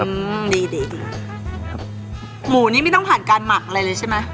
อืมดีดีหมูนี่ไม่ต้องผ่านการหมักอะไรเลยใช่ไหม